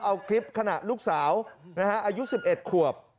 เอาคลิปขณะลูกสาวอายุ๑๑ขวบ